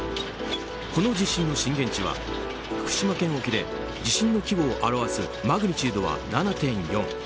この地震の震源地は福島県沖で地震の規模を表すマグニチュードは７．４。